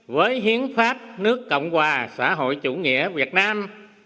với hiến pháp nước cộng hòa xã hội chủ nghĩa việt nam